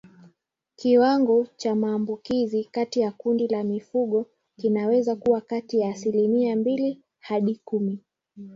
Kiwango cha maambukizi katika kundi la mifugo kinaweza kuwa kati ya asilimia mbili hadi kumi